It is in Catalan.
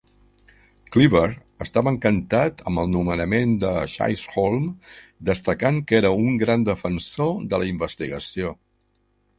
Cleaver estava encantat amb el nomenament de Chisholm destacant que era un gran defensor de la investigació.